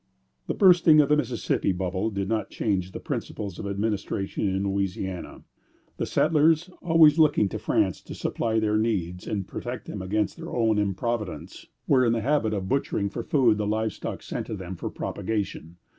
The bursting of the Mississippi bubble did not change the principles of administration in Louisiana. The settlers, always looking to France to supply their needs and protect them against their own improvidence, were in the habit of butchering for food the livestock sent them for propagation.